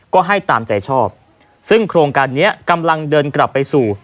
ก็ให้ตามใจชอบซึ่งโครงการนี้กำลังเดินกลับไปสู่